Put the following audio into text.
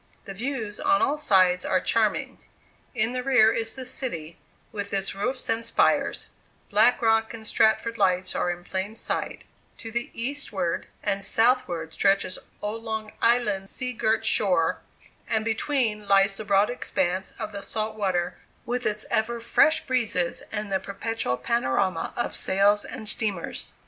The views on all sides are charming. In the rear is the city, with its roofs and spires; Black Rock and Stratford lights are in plain sight; to the eastward and southward stretches "Old Long Island's sea girt shore"; and between lies the broad expanse of the salt water, with its ever "fresh" breezes, and the perpetual panorama of sails and steamers.